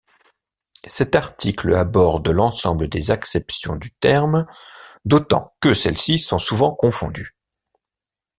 Cet article aborde l'ensemble des acceptions du terme, d'autant que celles-ci sont souvent confondues.